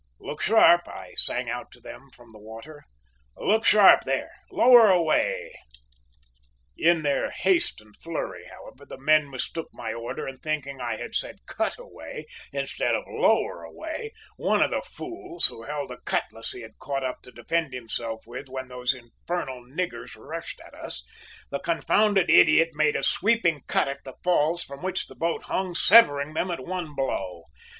"`Look sharp!' I sang out to them from the water. `Look sharp, there! Lower away!' "In their haste and flurry, however, the men mistook my order, and thinking I had said `cut away,' instead of `lower away,' one of the fools, who held a cutlass he had caught up to defend himself with when those infernal niggers rushed at us, the confounded idiot made a sweeping cut at the falls from which the boat hung, severing them at one blow!